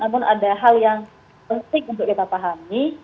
namun ada hal yang penting untuk kita pahami